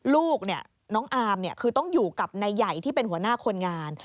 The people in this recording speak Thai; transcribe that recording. ลูกน้องอาร์มคือต้องอยู่กับนายใหญ่ที่เป็นหัวหน้าคนงาน